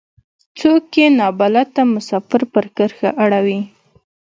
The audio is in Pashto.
څوک يې نا بلده مسافر پر کرښه اړوي.